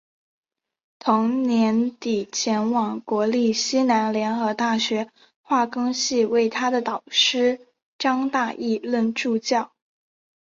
同年底前往国立西南联合大学化工系为他的导师张大煜任助教。